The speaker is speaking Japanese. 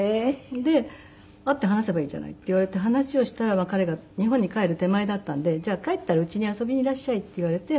で「会って話せばいいじゃない」って言われて話をしたら彼が日本に帰る手前だったので「じゃあ帰ったら家に遊びにいらっしゃい」って言われて。